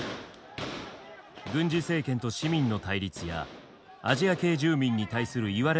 軍事政権と市民の対立やアジア系住民に対するいわれ